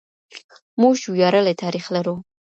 موږ وياړلی تاريخ لرو.